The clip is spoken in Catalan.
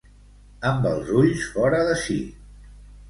Amb els ulls fora de si.